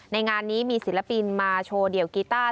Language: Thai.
งานนี้มีศิลปินมาโชว์เดี่ยวกีต้า